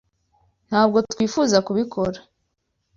Ntabwo twifuza kubikora.